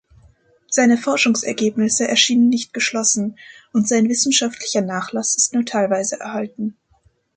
Seine Forschungsergebnisse erschienen nicht geschlossen, und sein wissenschaftlicher Nachlass ist nur teilweise erhalten.